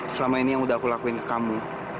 selama ini yang udah aku lakuin ke kamu